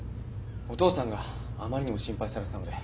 お父さんがあまりにも心配されてたので。